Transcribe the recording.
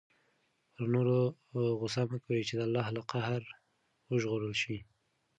پر نورو غصه مه کوه چې د الله له قهر وژغورل شې.